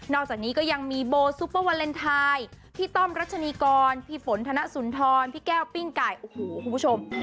อกจากนี้ก็ยังมีโบซุปเปอร์วาเลนไทยพี่ต้อมรัชนีกรพี่ฝนธนสุนทรพี่แก้วปิ้งไก่โอ้โหคุณผู้ชม